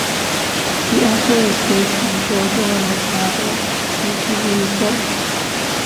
The opera is based on George Orwell's novel, Nineteen Eighty-Four.